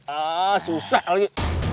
ah susah lagi